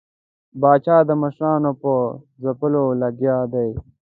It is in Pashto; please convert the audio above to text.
پاچا د مشرانو په ځپلو لګیا دی.